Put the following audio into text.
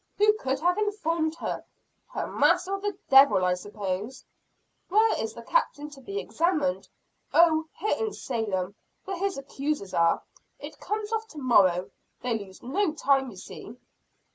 "Who could have informed her?" "Her master, the devil, I suppose." "Where is the Captain to be examined?" "Oh, here in Salem, where his accusers are. It comes off tomorrow. They lose no time you see."